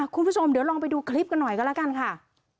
คุณผู้ชมเดี๋ยวลองไปดูคลิปกันหน่อยก็แล้วกันค่ะ